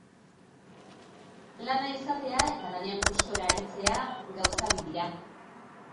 Lana izatea eta lanean gustora aritzea gauza bi dira.